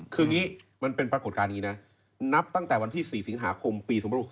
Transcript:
คืออย่างนี้มันเป็นปรากฏการณ์นี้นะนับตั้งแต่วันที่๔สิงหาคมปี๒๖๖